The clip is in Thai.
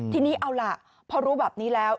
ทีนี้เอาล่ะพอรู้แบบนี้แล้ว